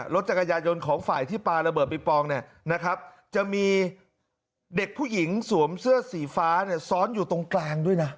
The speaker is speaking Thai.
จักรยายนต์ของฝ่ายที่ปลาระเบิดปิงปองเนี่ยนะครับจะมีเด็กผู้หญิงสวมเสื้อสีฟ้าเนี่ยซ้อนอยู่ตรงกลางด้วยนะ